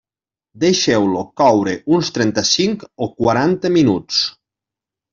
Deixeu-lo coure uns trenta-cinc o quaranta minuts.